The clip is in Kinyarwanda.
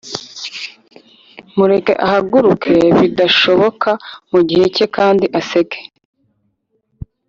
Mureke ahaguruke bidashoboka mu gihe cye kandi aseke